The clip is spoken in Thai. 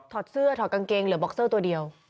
อดเสื้อถอดกางเกงเหลือบ็อกเซอร์ตัวเดียว